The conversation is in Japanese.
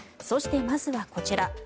そして、まずはこちら。